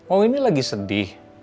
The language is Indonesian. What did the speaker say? oh ini lagi sedih